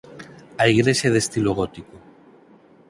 A igrexa é de estilo gótico.